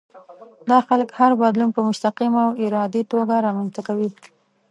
دا خلک هر بدلون په مستقيمه او ارادي توګه رامنځته کوي.